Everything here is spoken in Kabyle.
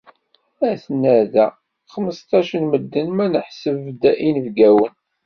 Aten-a da xmesṭac n medden, ma neḥseb-d inebgawen.